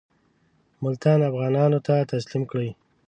ملتان افغانانو ته تسلیم کړي.